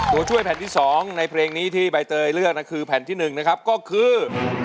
ตัวช่วยแผ่นที่๒ในเพลงนี้ที่ใบเตยเลือกนะคือแผ่นที่๑นะครับก็คือ